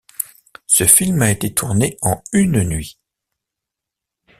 Ce film a été tourné en une nuit.